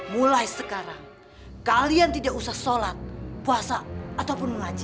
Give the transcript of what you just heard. mulai sekarang kalian tidak usah sholat puasa ataupun mengaji